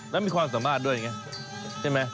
แล้วมีความสามารถด้วยอย่างนี้ใช่ไหม